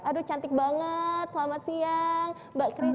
aduh cantik banget selamat siang mbak christi